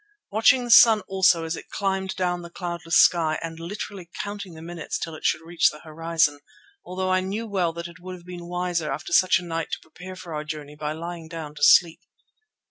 Watching the sun also as it climbed down the cloudless sky, and literally counting the minutes till it should reach the horizon, although I knew well that it would have been wiser after such a night to prepare for our journey by lying down to sleep.